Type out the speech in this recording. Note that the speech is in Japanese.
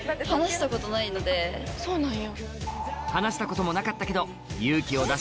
そうなんや。